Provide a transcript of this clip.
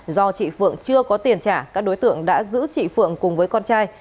do chị phượng chưa có tiền trả các đối tượng đã giữ chị phượng cùng với con trai